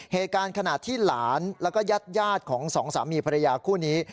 เหตุการณ์ขณะที่หลานแล้วก็ญาติของสองสามีภรรยาคู่นี้